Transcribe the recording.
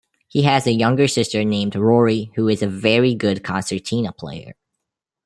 He has a younger sister named Rory who is a very good concertina player.